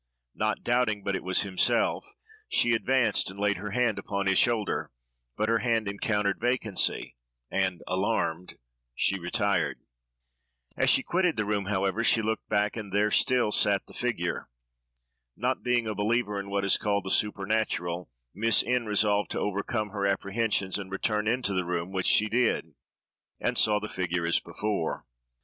Not doubting but it was himself, she advanced and laid her hand upon his shoulder, but her hand encountered vacancy; and, alarmed, she retired. As she quitted the room, however, she looked back, and there still sat the figure. Not being a believer in what is called the "supernatural," Miss N—— resolved to overcome her apprehensions, and return into the room, which she did, and saw the figure as before.